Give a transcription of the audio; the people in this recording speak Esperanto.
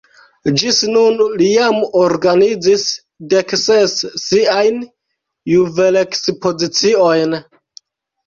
Ĝis nun li jam organizis dek ses siajn juvelekspoziciojn.